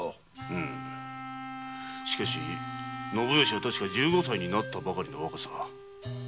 しかし信良は確か十五歳になったばかりの若さ。